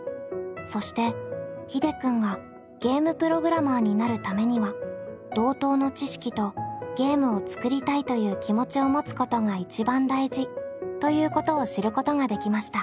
そしてひでくんがゲームプログラマーになるためには同等の知識とゲームを作りたいという気持ちを持つことが一番大事ということを知ることができました。